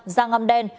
da ngăm đen